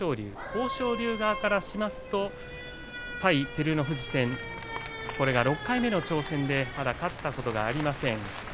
豊昇龍側からしますと対照ノ富士戦これが６回目の挑戦で、まだ勝ったことがありません。